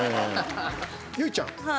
結実ちゃん。